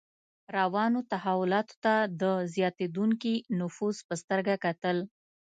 روانو تحولاتو ته د زیاتېدونکي نفوذ په سترګه کتل.